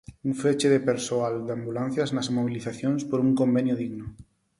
Un feche de persoal de Ambulancias nas mobilizacións por un convenio digno.